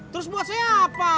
terus buat saya apa